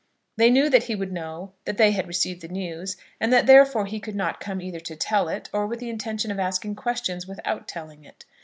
They knew that he would know that they had received the news, and that therefore he could not come either to tell it, or with the intention of asking questions without telling it.